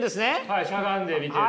はいしゃがんで見てる。